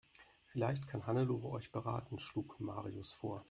Vielleicht kann Hannelore euch beraten, schlug Marius vor.